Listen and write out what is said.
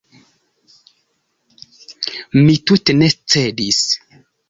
Mi tute ne cedis.